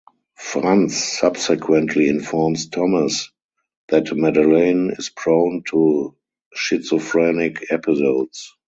Franz subsequently informs Thomas that Madeleine is prone to schizophrenic episodes.